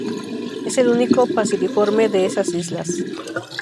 Es el único paseriforme de esas islas.